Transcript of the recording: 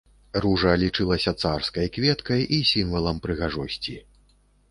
Ружа лічылася царскай кветкай і сімвалам прыгажосці.